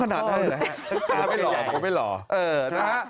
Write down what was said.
ต้องขนาดได้เลยนะฮะ